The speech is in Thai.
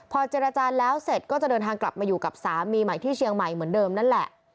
พอเจรจาแล้วเสร็จก็จะเดินทางกลับมาอยู่กับสามีใหม่ที่เชียงใหม่เหมือนเดิมนั่นแหละ